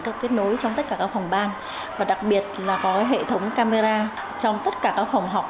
các kết nối trong tất cả các phòng ban và đặc biệt là có hệ thống camera trong tất cả các phòng học